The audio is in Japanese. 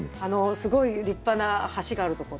すごい立派な橋があるところ。